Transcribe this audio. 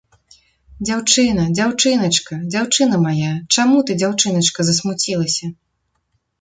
Дзяўчына, дзяўчыначка, дзяўчына мая, чаму ты, дзяўчыначка, засмуцілася?